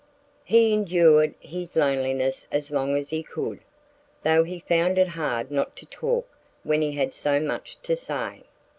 He endured his loneliness as long as he could, though he found it hard not to talk when he had so much to say.